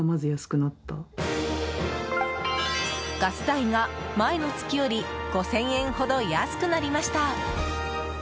ガス代が前の月より５０００円ほど安くなりました。